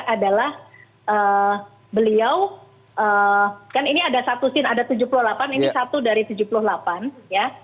adalah beliau kan ini ada satu scene ada tujuh puluh delapan ini satu dari tujuh puluh delapan ya